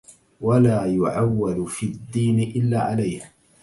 وَلَا يُعَوَّلُ فِي الدِّينِ إلَّا عَلَيْهِ